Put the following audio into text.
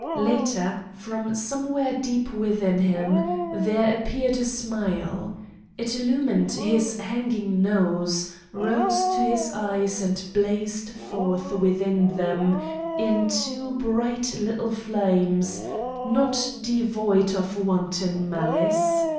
Later, from somewhere deep within him, there appeared a smile. It illumined his hanging nose, rose to his eyes and blazed forth within them in two bright, little flames, not devoid of wanton malice.